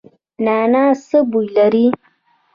نعناع څه بوی لري؟